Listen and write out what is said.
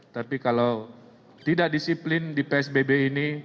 tapi kalau tidak disiplin di psbb ini